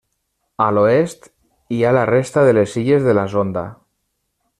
A l'oest hi ha la resta de les Illes de la Sonda.